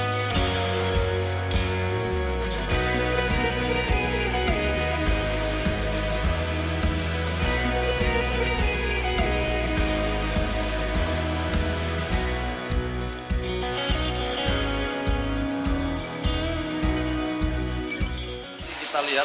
nanti dilihat aja